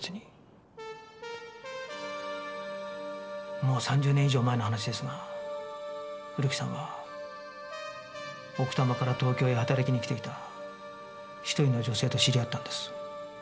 もう３０年以上前の話ですが古木さんは奥多摩から東京へ働きに来ていた１人の女性と知り合ったんです。